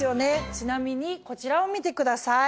ちなみにこちらを見てください。